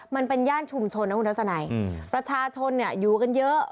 มันเป็นย่านชุมชนนะคุณทัศนัยประชาชนเนี่ยอยู่กันเยอะ